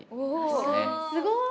すごい。